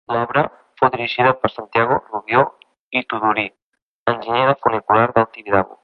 L'obra fou dirigida per Santiago Rubió i Tudurí, enginyer del funicular del Tibidabo.